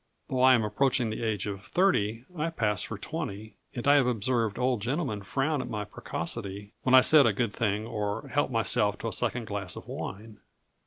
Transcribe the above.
Though I am approaching the age of thirty, I pass for twenty; and I have observed old gentlemen frown at my precocity when I said a good thing or helped myself to a second glass of wine.